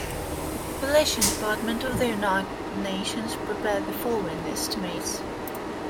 The Population Department of the United Nations prepared the following estimates.